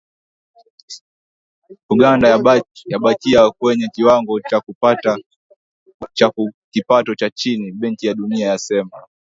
Uganda yabakia kwenye kiwango cha kipato cha chini, Benki ya Dunia yasema.